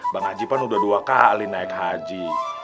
bang haji kan udah dua kali naik haji